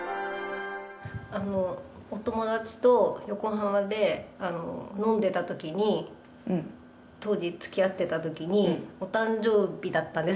お友達と横浜で飲んでたときに当時つきあってたときにお誕生日だったんです